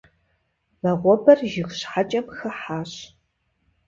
Вагъуэбэр жыг щхьэкӏэм хыхьащ.